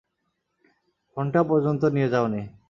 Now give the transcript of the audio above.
ফোনটা পর্যন্ত নিয়ে যাওনি।